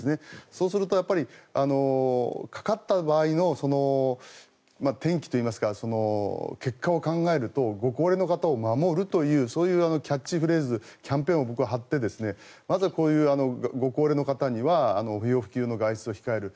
そうすると、かかった場合の結果を考えるとご高齢の方を守るというそういうキャッチフレーズキャンペーンを僕は張ってまずはこういうご高齢の方には不要不急の外出を控える。